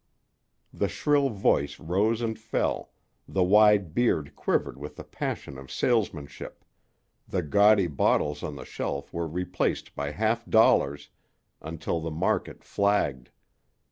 The shrill voice rose and fell, the wide beard quivered with the passion of salesmanship, the gaudy bottles on the shelf were replaced by half dollars, until the market flagged.